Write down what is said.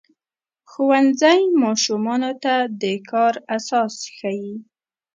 ښوونځی ماشومانو ته د کار اساس ښيي.